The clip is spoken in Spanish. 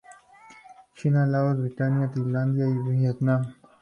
China, Laos, Birmania, Tailandia y Vietnam.